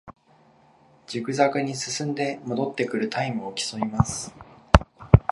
ジグザグに進んで戻ってくるタイムを競います